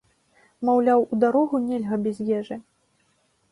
Маўляў, у дарогу нельга без ежы.